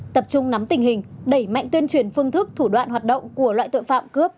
tập trung nắm tình hình đẩy mạnh tuyên truyền phương thức thủ đoạn hoạt động của loại tội phạm cướp